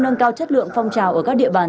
nâng cao chất lượng phong trào ở các địa bàn